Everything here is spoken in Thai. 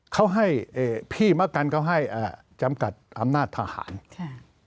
เขาให้เอ่อพี่มะกันเขาให้อ่าจำกัดอำนาจทหารค่ะ